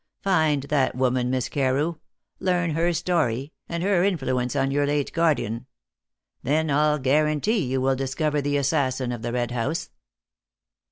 Find that woman, Miss Carew; learn her story, and her influence on your late guardian. Then I'll guarantee you will discover the assassin of the Red House."